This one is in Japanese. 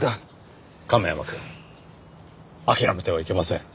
亀山くん諦めてはいけません。